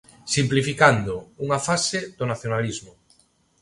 Simplificando: unha fase do nacionalismo.